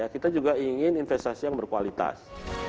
kita juga ingin investasi yang berkualitas